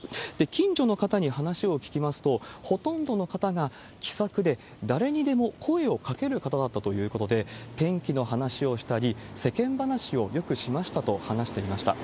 近所の方に話を聞きますと、ほとんどの方が、気さくで、誰にでも声をかける方だったということで、天気の話をしたり、世間話をよくしましたと話していました。